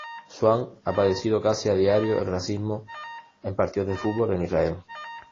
Suan ha padecido casi a diario el racismo en partidos de fútbol en Israel.